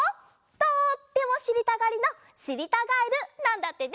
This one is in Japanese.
とってもしりたがりのしりたガエルなんだってね。